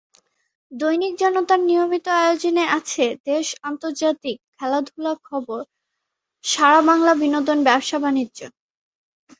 দৈনিক জনতার নিয়মিত আয়োজনে আছে: দেশ, আন্তর্জাতিক, খেলাধুলা, খবর, সারা বাংলা, বিনোদন, ব্যবসা-বাণিজ্য।